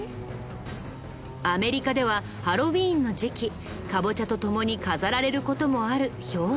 アメリカではハロウィーンの時期カボチャと共に飾られる事もあるひょうたん。